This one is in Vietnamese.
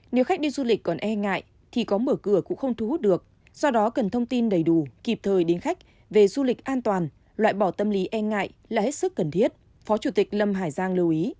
nếu khách đi du lịch còn e ngại thì có mở cửa cũng không thu hút được do đó cần thông tin đầy đủ kịp thời đến khách về du lịch an toàn loại bỏ tâm lý e ngại là hết sức cần thiết phó chủ tịch lâm hải giang lưu ý